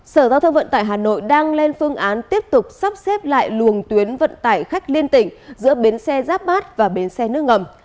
sở giao thông vận tải hà nội đang lên phương án tiếp tục sắp xếp lại luồng tuyến vận tải khách liên tỉnh giữa bến xe giáp bát và bến xe nước ngầm